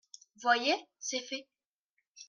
Voyez, c'est fait.